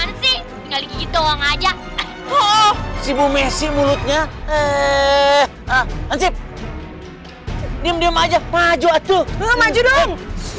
hai oh si bumesi mulutnya eh ah dihidupi hai diam diam aja maju maju dong